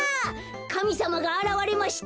かみさまがあらわれました。